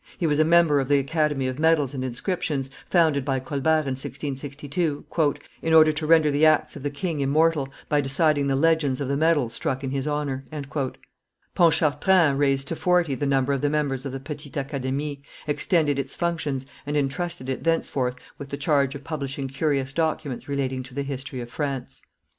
He was a member of the Academy of medals and inscriptions, founded by Colbert in 1662, "in order to render the acts of the king immortal, by deciding the legends of the medals struck in his honor." Pontchartrain raised to forty the number of the members of the petite acadamie, extended its functions, and intrusted it thenceforth with the charge of publishing curious documents relating to the history of France.